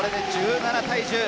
１７対１０。